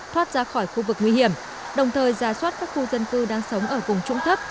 thoát ra khỏi khu vực nguy hiểm đồng thời ra soát các khu dân cư đang sống ở vùng trũng thấp